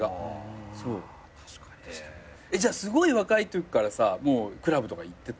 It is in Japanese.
じゃすごい若いときからさもうクラブとか行ってた？